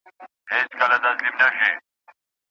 د سردرد شدت باید ثبت شي.